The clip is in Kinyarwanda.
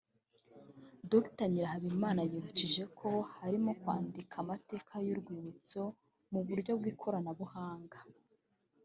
Dr Nyirahabimana yibukije ko harimo kwandika amateka y’urwibutso mu buryo bw’ikoranabuhanga